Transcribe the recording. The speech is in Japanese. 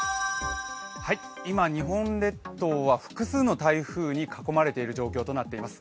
今日本列島は複数の台風に囲まれている状況となっています。